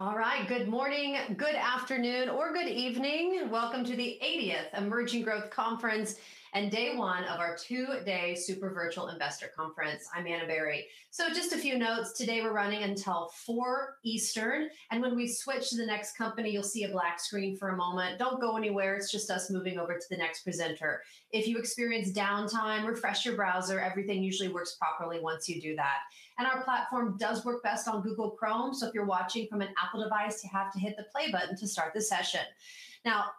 All right, good morning, good afternoon, or good evening. Welcome to the 80th Emerging Growth Conference and day one of our two-day super virtual investor conference. I'm Ana Berry. Just a few notes. Today we're running until 4:00 P.M. Eastern. When we switch to the next company, you'll see a black screen for a moment. Don't go anywhere. It's just us moving over to the next presenter. If you experience downtime, refresh your browser. Everything usually works properly once you do that. Our platform does work best on Google Chrome. If you're watching from an Apple device, you have to hit the Play button to start the session.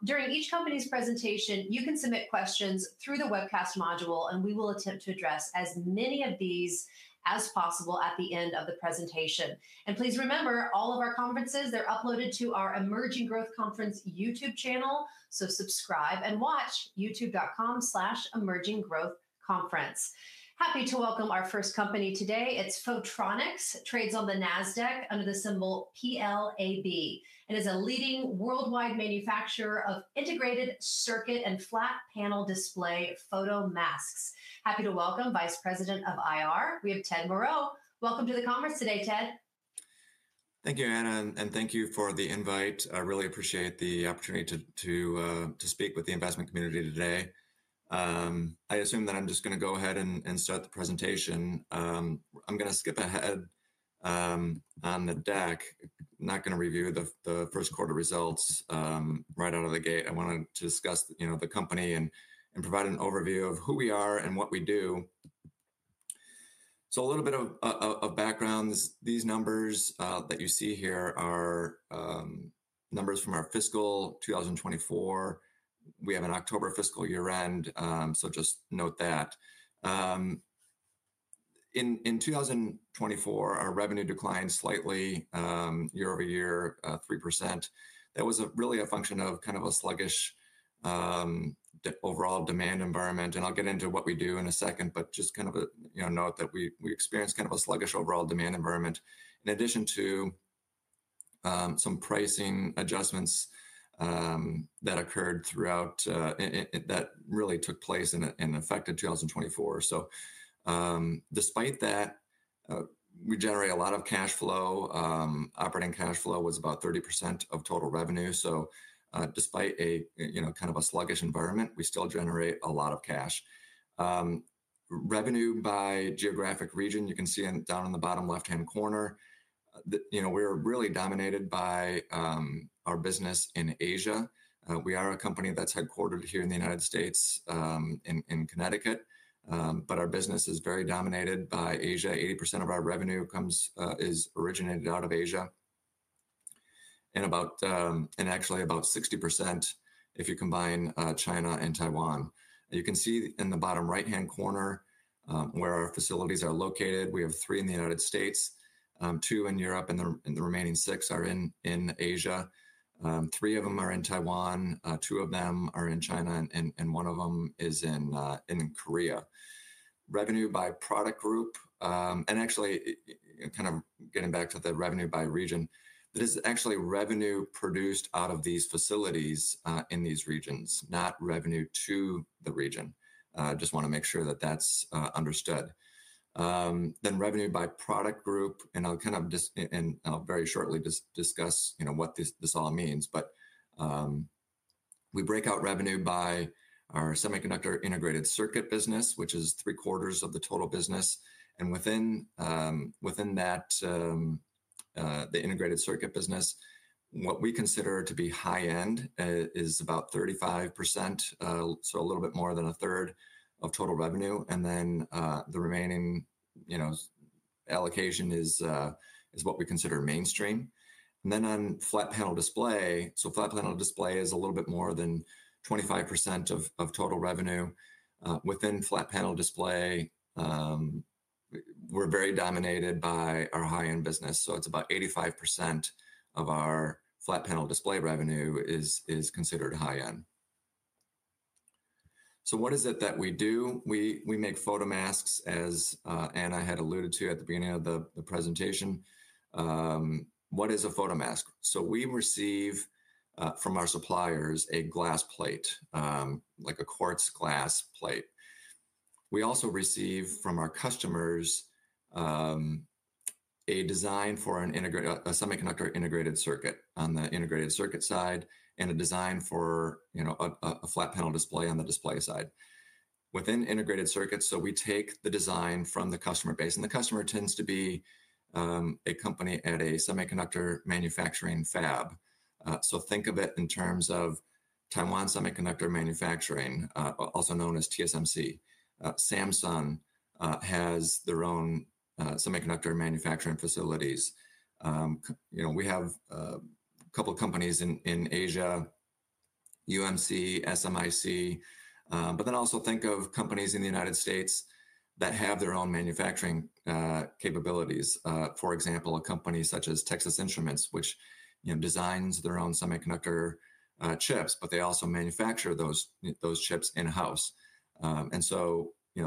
During each company's presentation, you can submit questions through the webcast module. We will attempt to address as many of these as possible at the end of the presentation. Please remember, all of our conferences, they're uploaded to our Emerging Growth Conference YouTube channel. Subscribe and watch youtube.com/emerginggrowthconference. Happy to welcome our first company today. It's Photronics, trades on the NASDAQ under the symbol PLAB. It is a leading worldwide manufacturer of integrated circuit and flat panel display photomasks. Happy to welcome Vice President of IR. We have Ted Moreau. Welcome to the conference today, Ted. Thank you, Ana. Thank you for the invite. I really appreciate the opportunity to speak with the investment community today. I assume that I'm just going to go ahead and start the presentation. I'm going to skip ahead on the deck. Not going to review the first quarter results right out of the gate. I wanted to discuss the company and provide an overview of who we are and what we do. A little bit of background. These numbers that you see here are numbers from our fiscal 2024. We have an October fiscal year-end. Just note that. In 2024, our revenue declined slightly year-over-year, 3%. That was really a function of kind of a sluggish overall demand environment. I'll get into what we do in a second. Just kind of a note that we experienced kind of a sluggish overall demand environment, in addition to some pricing adjustments that occurred throughout that really took place and affected 2024. Despite that, we generate a lot of cash flow. Operating cash flow was about 30% of total revenue. Despite kind of a sluggish environment, we still generate a lot of cash. Revenue by geographic region, you can see down in the bottom left-hand corner. We are really dominated by our business in Asia. We are a company that's headquartered here in the United States in Connecticut. Our business is very dominated by Asia. 80% of our revenue is originated out of Asia. Actually about 60%, if you combine China and Taiwan. You can see in the bottom right-hand corner where our facilities are located. We have three in the United States, two in Europe, and the remaining six are in Asia. Three of them are in Taiwan. Two of them are in China. One of them is in Korea. Revenue by product group, and actually kind of getting back to the revenue by region, that is actually revenue produced out of these facilities in these regions, not revenue to the region. I just want to make sure that that's understood. Revenue by product group. I'll kind of just very shortly discuss what this all means. We break out revenue by our semiconductor integrated circuit business, which is three quarters of the total business. Within that, the integrated circuit business, what we consider to be high-end is about 35%, so a little bit more than a third of total revenue. The remaining allocation is what we consider mainstream. Flat panel display is a little bit more than 25% of total revenue. Within flat panel display, we're very dominated by our high-end business. It's about 85% of our flat panel display revenue is considered high-end. What is it that we do? We make photomasks, as Ana had alluded to at the beginning of the presentation. What is a photomask? We receive from our suppliers a glass plate, like a quartz glass plate. We also receive from our customers a design for a semiconductor integrated circuit on the integrated circuit side and a design for a flat panel display on the display side. Within integrated circuits, we take the design from the customer base. The customer tends to be a company at a semiconductor manufacturing fab. Think of it in terms of Taiwan Semiconductor Manufacturing, also known as TSMC. Samsung has their own semiconductor manufacturing facilities. We have a couple of companies in Asia, UMC, SMIC. Also think of companies in the United States that have their own manufacturing capabilities. For example, a company such as Texas Instruments, which designs their own semiconductor chips, but they also manufacture those chips in-house.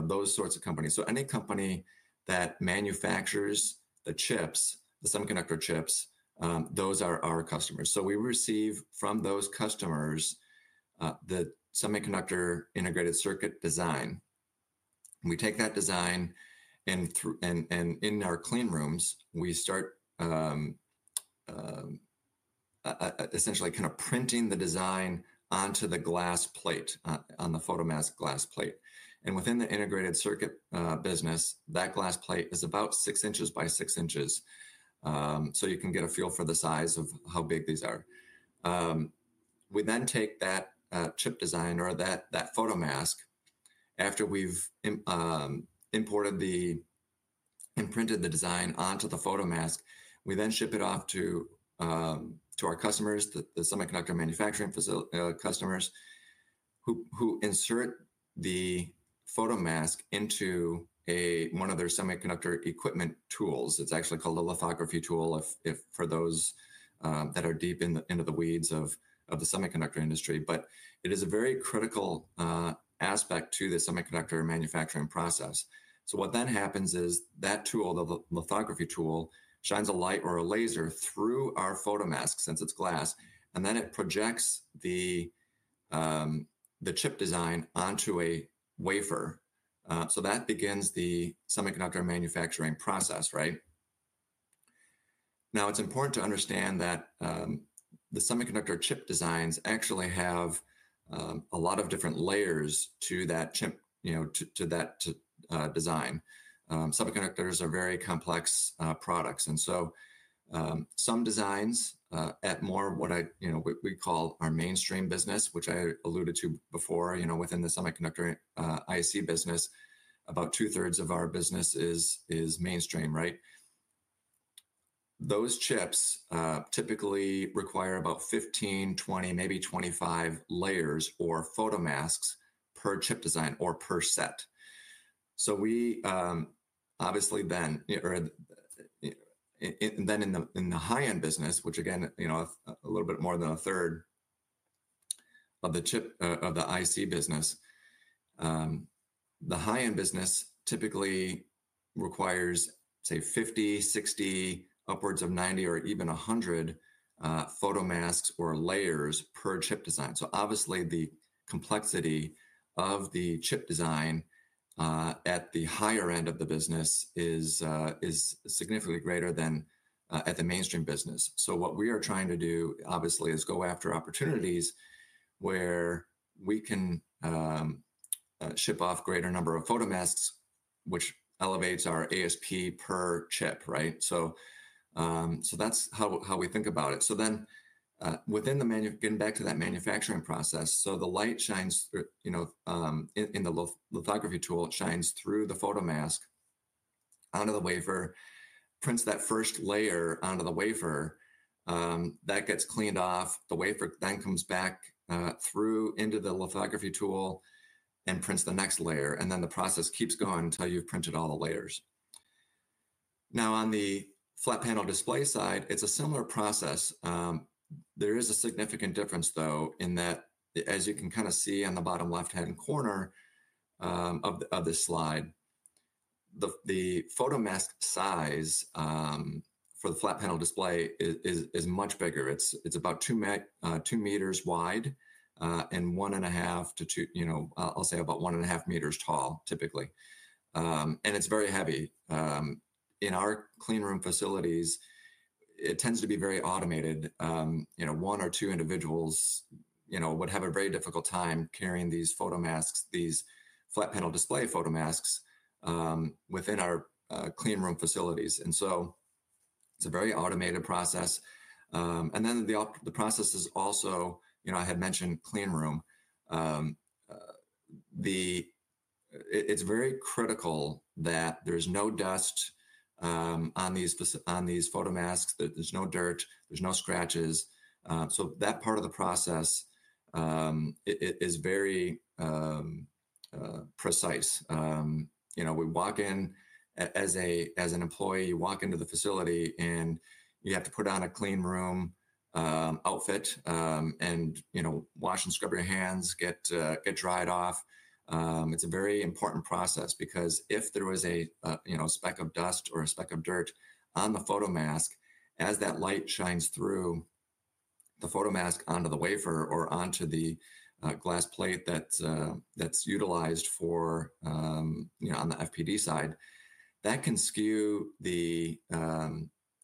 Those sorts of companies. Any company that manufactures the chips, the semiconductor chips, those are our customers. We receive from those customers the semiconductor integrated circuit design. We take that design. In our clean rooms, we start essentially kind of printing the design onto the glass plate, on the photomask glass plate. Within the integrated circuit business, that glass plate is about 6 in x 6 in. You can get a feel for the size of how big these are. We then take that chip design or that photomask. After we've imported and printed the design onto the photomask, we then ship it off to our customers, the semiconductor manufacturing customers, who insert the photomask into one of their semiconductor equipment tools. It's actually called the lithography tool for those that are deep into the weeds of the semiconductor industry. It is a very critical aspect to the semiconductor manufacturing process. What then happens is that tool, the lithography tool, shines a light or a laser through our photomask since it's glass. It projects the chip design onto a wafer. That begins the semiconductor manufacturing process, right? Now, it's important to understand that the semiconductor chip designs actually have a lot of different layers to that chip, to that design. Semiconductors are very complex products. Some designs at more what we call our mainstream business, which I alluded to before within the semiconductor IC business, about 2/3 of our business is mainstream, right? Those chips typically require about 15, 20, maybe 25 layers or photomasks per chip design or per set. We obviously then in the high-end business, which again, a little bit more than a third of the chip of the IC business, the high-end business typically requires, say, 50, 60, upwards of 90, or even 100 photomasks or layers per chip design. Obviously, the complexity of the chip design at the higher end of the business is significantly greater than at the mainstream business. What we are trying to do, obviously, is go after opportunities where we can ship off a greater number of photomasks, which elevates our ASP per chip, right? That is how we think about it. Within the manufacturing, getting back to that manufacturing process, the light shines in the lithography tool, it shines through the photomask onto the wafer, prints that first layer onto the wafer. That gets cleaned off. The wafer then comes back through into the lithography tool and prints the next layer. The process keeps going until you have printed all the layers. Now, on the flat panel display side, it is a similar process. There is a significant difference, though, in that, as you can kind of see on the bottom left-hand corner of this slide, the photomask size for the flat panel display is much bigger. It's about 2 m wide and 1.5 to, I'll say, about 1.5 m tall, typically. It is very heavy. In our clean room facilities, it tends to be very automated. One or two individuals would have a very difficult time carrying these photomasks, these flat panel display photomasks within our clean room facilities. It is a very automated process. The process is also, I had mentioned clean room. It is very critical that there is no dust on these photomasks, that there is no dirt, there are no scratches. That part of the process is very precise. We walk in as an employee, you walk into the facility, and you have to put on a clean room outfit and wash and scrub your hands, get dried off. It's a very important process because if there was a speck of dust or a speck of dirt on the photomask, as that light shines through the photomask onto the wafer or onto the glass plate that's utilized on the FPD side, that can skew the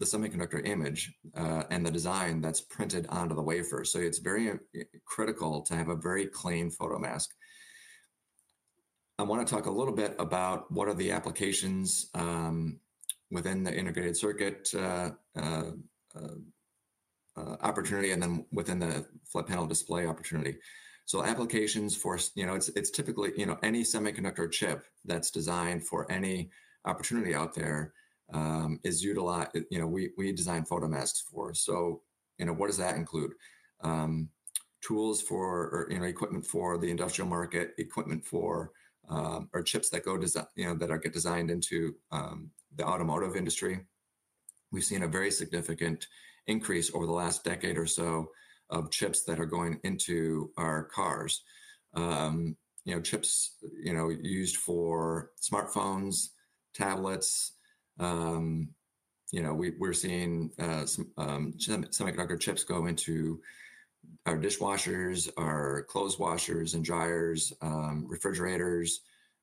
semiconductor image and the design that's printed onto the wafer. It is very critical to have a very clean photomask. I want to talk a little bit about what are the applications within the integrated circuit opportunity and then within the flat panel display opportunity. Applications for it, typically any semiconductor chip that's designed for any opportunity out there is utilized, we design photomasks for. What does that include? Tools for equipment for the industrial market, equipment for our chips that are designed into the automotive industry. We've seen a very significant increase over the last decade or so of chips that are going into our cars. Chips used for smartphones, tablets. We're seeing some semiconductor chips go into our dishwashers, our clothes washers and dryers, refrigerators.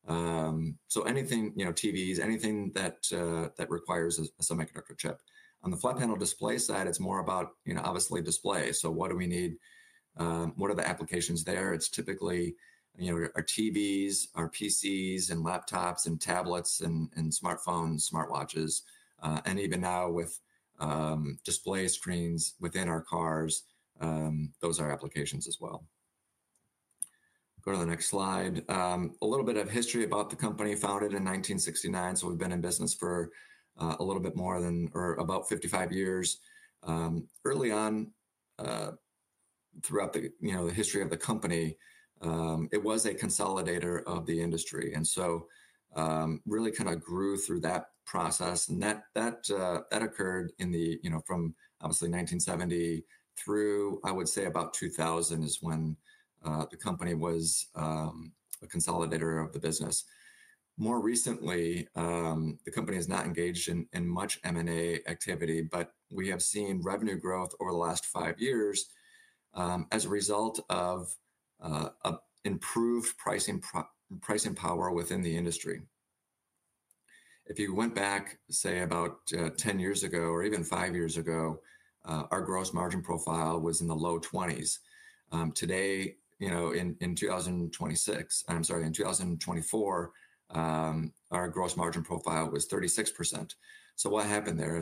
Anything, TVs, anything that requires a semiconductor chip. On the flat panel display side, it's more about, obviously, display. What do we need? What are the applications there? It's typically our TVs, our PCs, and laptops and tablets and smartphones, smartwatches. Even now with display screens within our cars, those are applications as well. Go to the next slide. A little bit of history about the company. Founded in 1969. We've been in business for a little bit more than or about 55 years. Early on throughout the history of the company, it was a consolidator of the industry. Really kind of grew through that process. That occurred from, obviously, 1970 through, I would say, about 2000, when the company was a consolidator of the business. More recently, the company has not engaged in much M&A activity. We have seen revenue growth over the last five years as a result of improved pricing power within the industry. If you went back, say, about 10 years ago or even 5 years ago, our gross margin profile was in the low 20%. Today, in 2024, our gross margin profile was 36%. What happened there?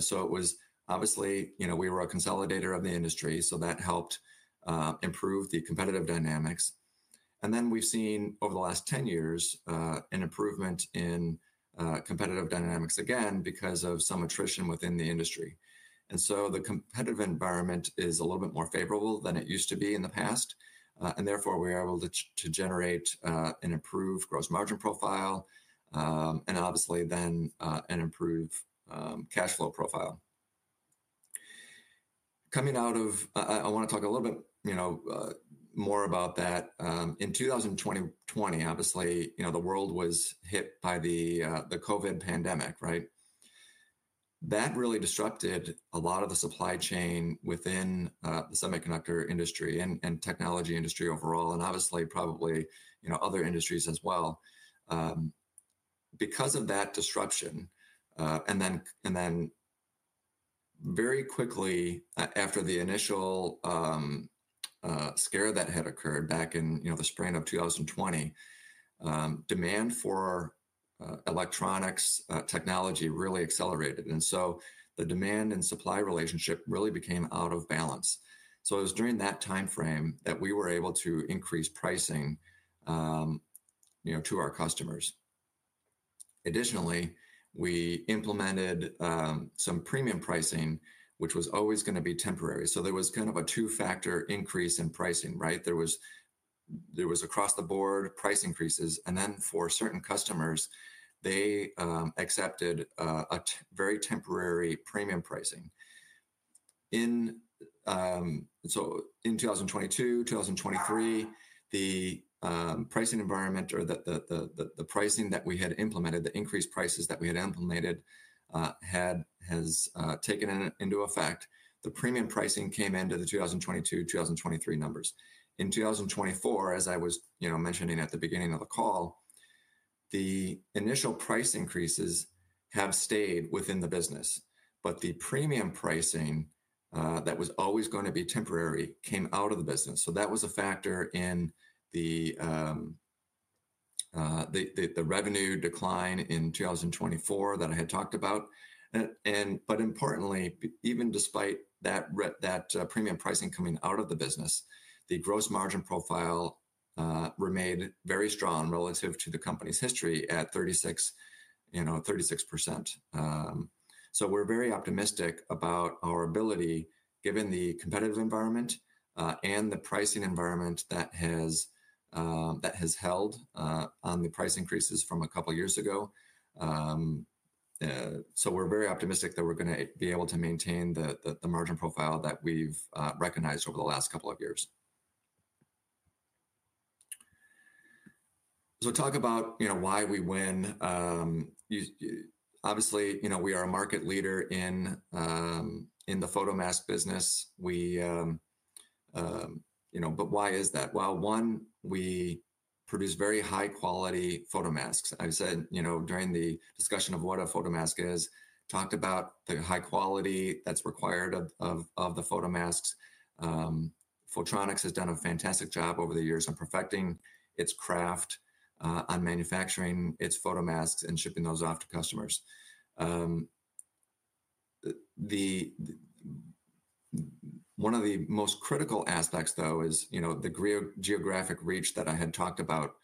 Obviously, we were a consolidator of the industry. That helped improve the competitive dynamics. We have seen over the last 10 years an improvement in competitive dynamics again because of some attrition within the industry. The competitive environment is a little bit more favorable than it used to be in the past. Therefore, we are able to generate an improved gross margin profile and, obviously, then an improved cash flow profile. Coming out of I want to talk a little bit more about that. In 2020, obviously, the world was hit by the COVID pandemic, right? That really disrupted a lot of the supply chain within the semiconductor industry and technology industry overall and, obviously, probably other industries as well. Because of that disruption and then very quickly after the initial scare that had occurred back in the spring of 2020, demand for electronics technology really accelerated. The demand and supply relationship really became out of balance. It was during that time frame that we were able to increase pricing to our customers. Additionally, we implemented some premium pricing, which was always going to be temporary. There was kind of a two-factor increase in pricing, right? There was across the board price increases. Then for certain customers, they accepted a very temporary premium pricing. In 2022, 2023, the pricing environment or the pricing that we had implemented, the increased prices that we had implemented has taken into effect. The premium pricing came into the 2022, 2023 numbers. In 2024, as I was mentioning at the beginning of the call, the initial price increases have stayed within the business. The premium pricing that was always going to be temporary came out of the business. That was a factor in the revenue decline in 2024 that I had talked about. Importantly, even despite that premium pricing coming out of the business, the gross margin profile remained very strong relative to the company's history at 36%. We are very optimistic about our ability, given the competitive environment and the pricing environment that has held on the price increases from a couple of years ago. We are very optimistic that we are going to be able to maintain the margin profile that we've recognized over the last couple of years. Talk about why we win. Obviously, we are a market leader in the photomask business. Why is that? One, we produce very high-quality photomasks. I've said during the discussion of what a photomask is, talked about the high quality that's required of the photomasks. Photronics has done a fantastic job over the years in perfecting its craft on manufacturing its photomasks and shipping those off to customers. One of the most critical aspects, though, is the geographic reach that I had talked about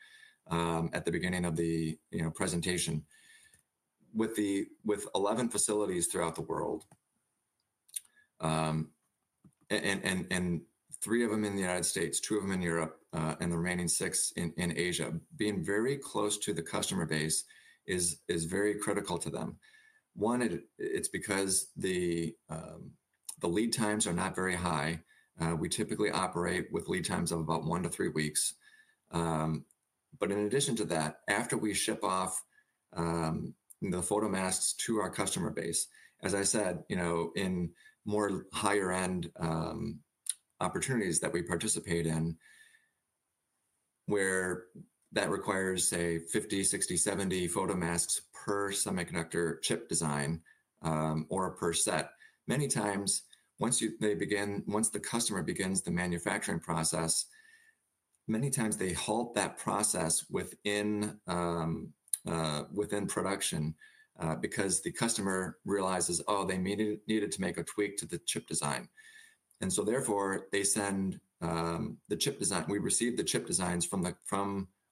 at the beginning of the presentation. With 11 facilities throughout the world, and three of them in the United States, two of them in Europe, and the remaining six in Asia, being very close to the customer base is very critical to them. One, it's because the lead times are not very high. We typically operate with lead times of about one to three weeks. In addition to that, after we ship off the photomasks to our customer base, as I said, in more higher-end opportunities that we participate in where that requires, say, 50, 60, 70 photomasks per semiconductor chip design or per set, many times, once the customer begins the manufacturing process, many times they halt that process within production because the customer realizes, "Oh, they needed to make a tweak to the chip design." Therefore, they send the chip design. We receive the chip designs from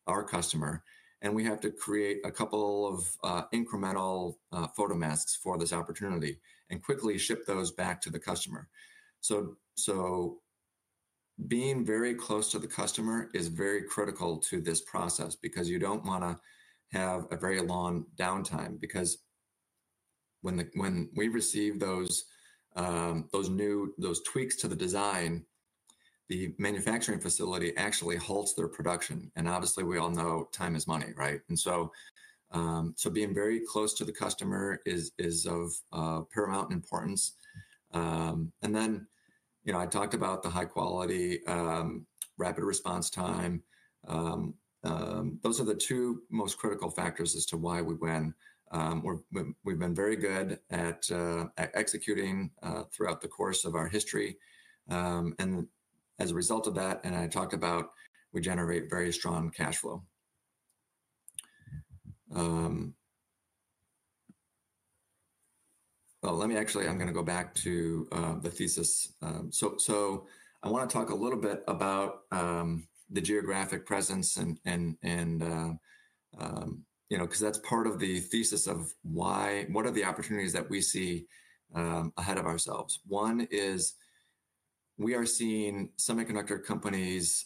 our customer. We have to create a couple of incremental photomasks for this opportunity and quickly ship those back to the customer. Being very close to the customer is very critical to this process because you do not want to have a very long downtime. Because when we receive those new tweaks to the design, the manufacturing facility actually halts their production. Obviously, we all know time is money, right? Being very close to the customer is of paramount importance. I talked about the high-quality, rapid response time. Those are the two most critical factors as to why we win. We've been very good at executing throughout the course of our history. As a result of that, I talked about we generate very strong cash flow. Let me actually go back to the thesis. I want to talk a little bit about the geographic presence because that's part of the thesis of what are the opportunities that we see ahead of ourselves. One is we are seeing semiconductor companies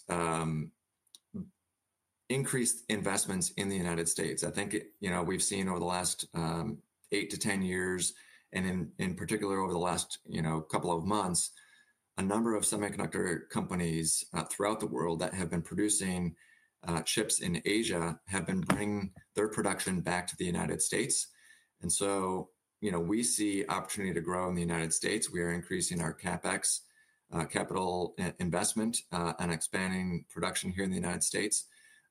increase investments in the United States. I think we've seen over the last 8-10 years, and in particular over the last couple of months, a number of semiconductor companies throughout the world that have been producing chips in Asia have been bringing their production back to the United States. We see opportunity to grow in the United States. We are increasing our CapEx, capital investment, and expanding production here in the United States.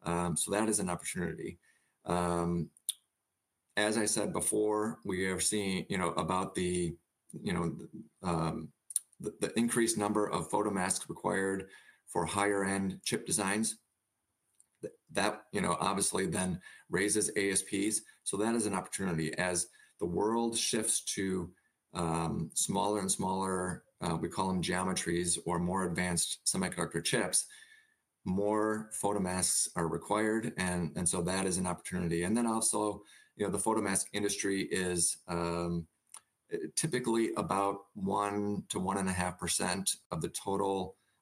That is an opportunity. As I said before, we are seeing about the increased number of photomasks required for higher-end chip designs. That, obviously, then raises ASPs. That is an opportunity. As the world shifts to smaller and smaller, we call them geometries or more advanced semiconductor chips, more photomasks are required. That is an opportunity. The photomask industry is typically about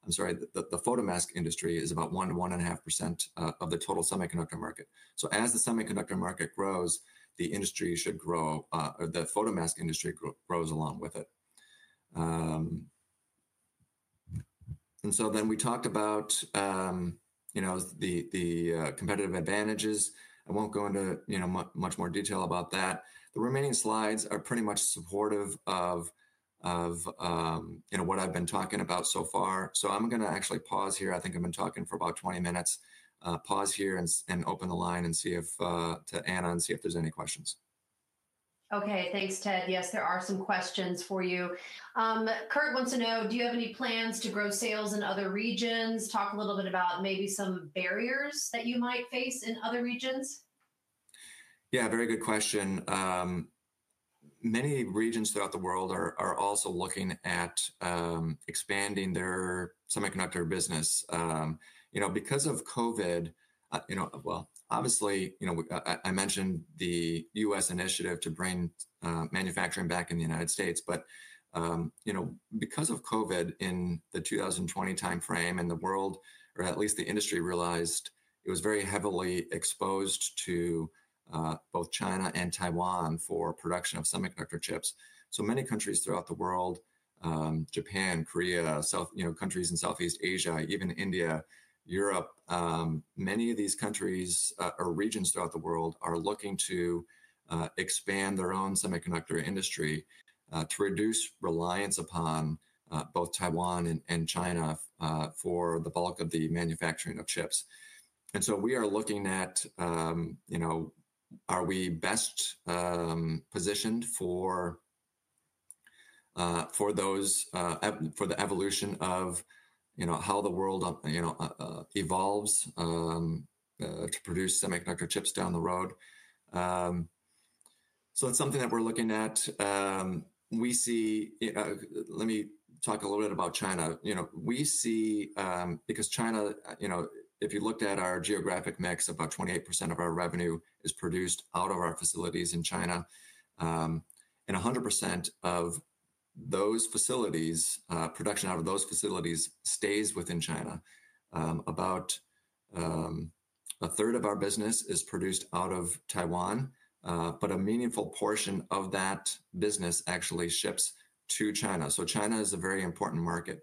1%-1.5% of the total semiconductor market. As the semiconductor market grows, the industry should grow or the photomask industry grows along with it. We talked about the competitive advantages. I will not go into much more detail about that. The remaining slides are pretty much supportive of what I have been talking about so far. I am going to actually pause here. I think I have been talking for about 20 minutes. I will pause here and open the line to Ana and see if there are any questions. Okay. Thanks, Ted. Yes, there are some questions for you. Kurt wants to know, do you have any plans to grow sales in other regions? Talk a little bit about maybe some barriers that you might face in other regions. Yeah, very good question. Many regions throughout the world are also looking at expanding their semiconductor business. Because of COVID, obviously, I mentioned the U.S. initiative to bring manufacturing back in the United States. Because of COVID in the 2020 time frame, the world, or at least the industry, realized it was very heavily exposed to both China and Taiwan for production of semiconductor chips. Many countries throughout the world, Japan, Korea, countries in Southeast Asia, even India, Europe, many of these countries or regions throughout the world are looking to expand their own semiconductor industry to reduce reliance upon both Taiwan and China for the bulk of the manufacturing of chips. We are looking at, are we best positioned for the evolution of how the world evolves to produce semiconductor chips down the road? It is something that we're looking at. Let me talk a little bit about China. Because China, if you looked at our geographic mix, about 28% of our revenue is produced out of our facilities in China. And 100% of those facilities, production out of those facilities stays within China. About a third of our business is produced out of Taiwan. But a meaningful portion of that business actually ships to China. China is a very important market.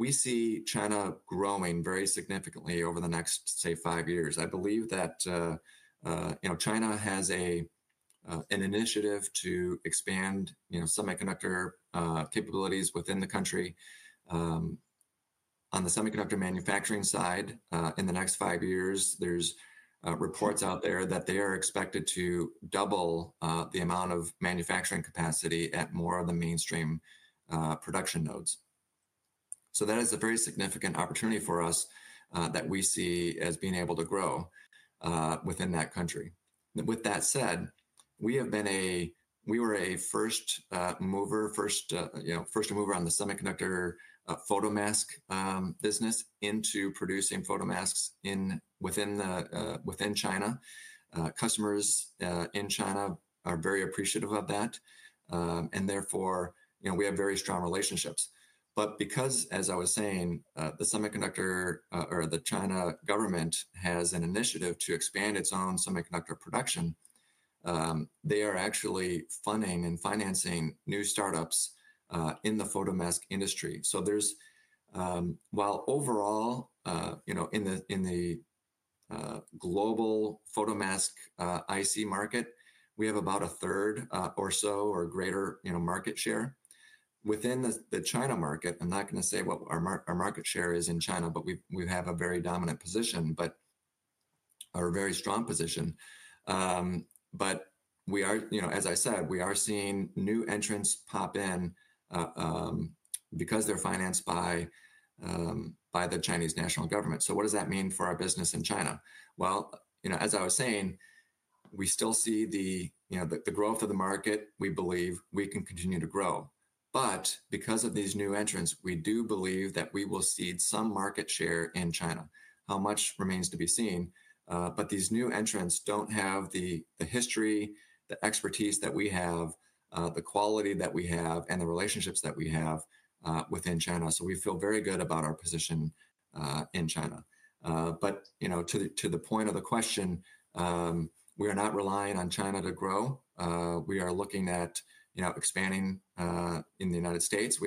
We see China growing very significantly over the next, say, five years. I believe that China has an initiative to expand semiconductor capabilities within the country. On the semiconductor manufacturing side, in the next five years, there are reports out there that they are expected to double the amount of manufacturing capacity at more of the mainstream production nodes. That is a very significant opportunity for us that we see as being able to grow within that country. With that said, we were a first mover, first mover on the semiconductor photomask business into producing photomasks within China. Customers in China are very appreciative of that. Therefore, we have very strong relationships. Because, as I was saying, the semiconductor or the China government has an initiative to expand its own semiconductor production, they are actually funding and financing new startups in the photomask industry. While overall, in the global photomask IC market, we have about a third or so or greater market share. Within the China market, I'm not going to say what our market share is in China, but we have a very dominant position, our very strong position. As I said, we are seeing new entrants pop in because they're financed by the Chinese national government. What does that mean for our business in China? As I was saying, we still see the growth of the market. We believe we can continue to grow. Because of these new entrants, we do believe that we will see some market share in China. How much remains to be seen. These new entrants do not have the history, the expertise that we have, the quality that we have, and the relationships that we have within China. We feel very good about our position in China. To the point of the question, we are not relying on China to grow. We are looking at expanding in the United States.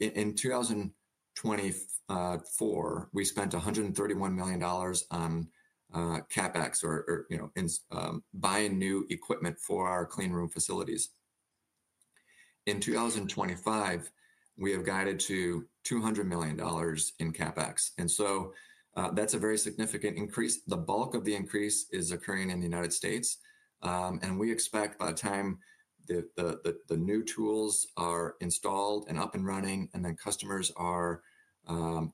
In 2024, we spent $131 million on CapEx or buying new equipment for our clean room facilities. In 2025, we have guided to $200 million in CapEx. That is a very significant increase. The bulk of the increase is occurring in the United States. We expect by the time the new tools are installed and up and running and then customers are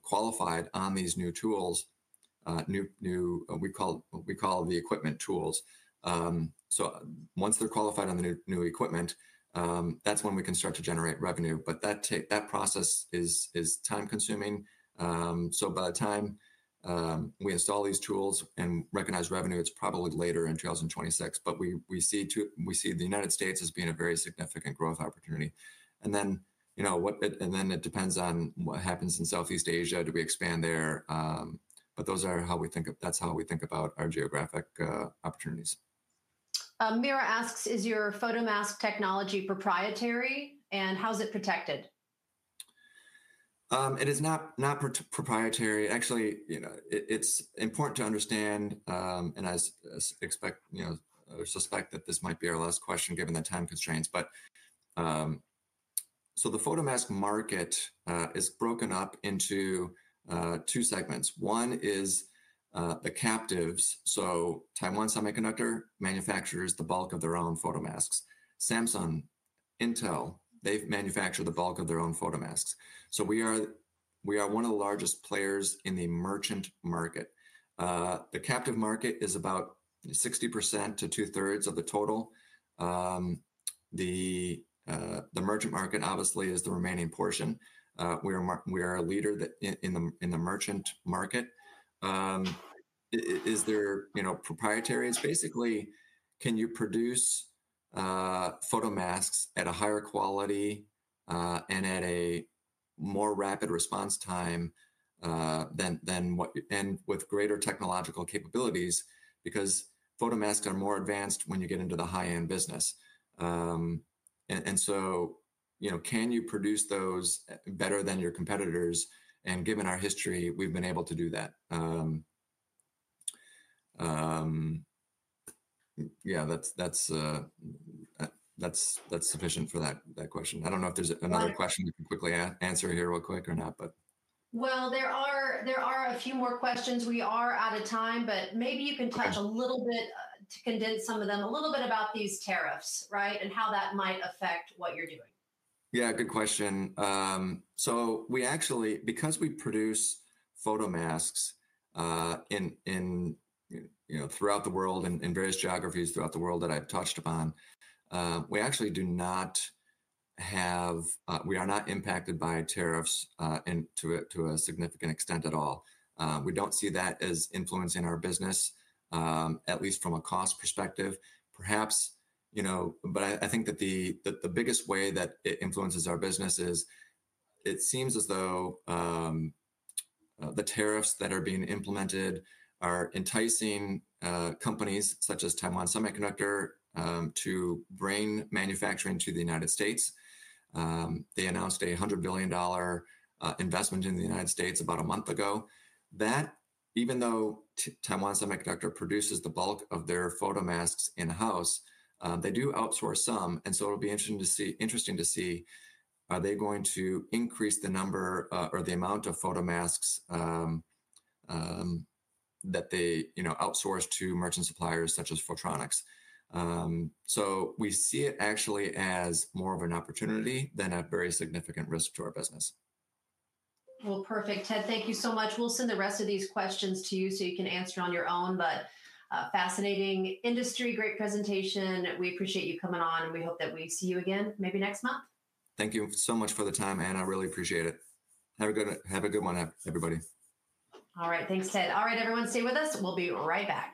qualified on these new tools, we call the equipment tools. Once they're qualified on the new equipment, that's when we can start to generate revenue. That process is time-consuming. By the time we install these tools and recognize revenue, it's probably later in 2026. We see the United States as being a very significant growth opportunity. It depends on what happens in Southeast Asia to expand there. That is how we think about our geographic opportunities. Mira asks, is your photomask technology proprietary? And how is it protected? It is not proprietary. Actually, it's important to understand, and I suspect that this might be our last question given the time constraints. The photomask market is broken up into two segments. One is the captives. Taiwan Semiconductor manufactures the bulk of their own photomasks. Samsung, Intel, they manufacture the bulk of their own photomasks. We are one of the largest players in the merchant market. The captive market is about 60% to 2/3 of the total. The merchant market, obviously, is the remaining portion. We are a leader in the merchant market. Is there proprietary? It's basically, can you produce photomasks at a higher quality and at a more rapid response time and with greater technological capabilities? Because photomasks are more advanced when you get into the high-end business. Can you produce those better than your competitors? Given our history, we've been able to do that. Yeah, that's sufficient for that question. I don't know if there's another question you can quickly answer here real quick or not. There are a few more questions. We are out of time, but maybe you can touch a little bit to condense some of them, a little bit about these tariffs, right, and how that might affect what you're doing. Yeah, good question. Because we produce photomasks throughout the world and in various geographies throughout the world that I've touched upon, we actually are not impacted by tariffs to a significant extent at all. We do not see that as influencing our business, at least from a cost perspective. I think that the biggest way that it influences our business is it seems as though the tariffs that are being implemented are enticing companies such as TSMC to bring manufacturing to the United States. They announced a $100 billion investment in the United States about a month ago. That, even though TSMC produces the bulk of their photomasks in-house, they do outsource some. It will be interesting to see are they going to increase the number or the amount of photomasks that they outsource to merchant suppliers such as Photronics. We see it actually as more of an opportunity than a very significant risk to our business. Ted, thank you so much. We'll send the rest of these questions to you so you can answer on your own. Fascinating industry, great presentation. We appreciate you coming on, and we hope that we see you again maybe next month. Thank you so much for the time, Ana. I really appreciate it. Have a good one, everybody. All right. Thanks, Ted. All right, everyone, stay with us. We'll be right back.